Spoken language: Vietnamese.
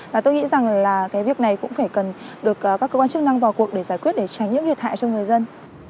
và tôi nghĩ rằng là cái việc này cũng phải cần được các cơ quan chức năng vào cuộc để giải quyết để tránh những thiệt hại cho người dân